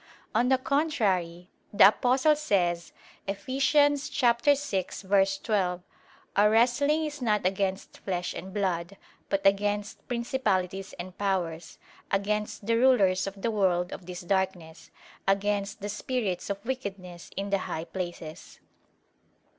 On the contrary, The Apostle says (Eph. 6:12): "Our wrestling is not against flesh and blood; but against Principalities and Powers, against the rulers of the world of this darkness, against the spirits of wickedness in the high places."